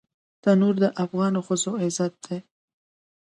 تنور د افغانو ښځو عزت دی